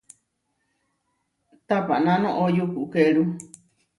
Tapaná noʼó yukukeru.